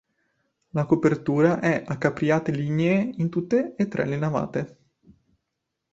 La copertura è a capriate lignee in tutte e tre le navate.